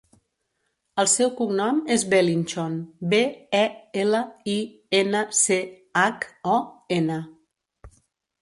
El seu cognom és Belinchon: be, e, ela, i, ena, ce, hac, o, ena.